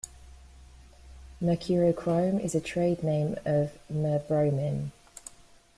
Mercurochrome is a trade name of merbromin.